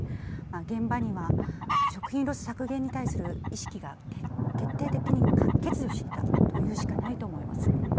現場には食品ロス削減に対する意識が決定的にに欠如していたと言うしかないと思います。